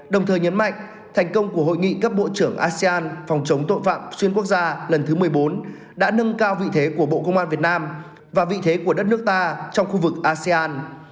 đồng thời nhấn mạnh thành công của hội nghị các bộ trưởng asean phòng chống tội phạm xuyên quốc gia lần thứ một mươi bốn đã nâng cao vị thế của bộ công an việt nam và vị thế của đất nước ta trong khu vực asean